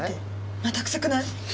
また臭くない？